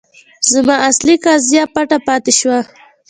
زما اصلي قضیه پټه پاتې شوه.